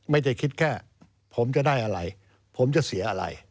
ไม่ได้คิดแค่ผมจะได้อะไรผมจะเสียอะไร